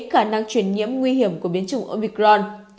khả năng chuyển nhiễm nguy hiểm của biến chủng omicron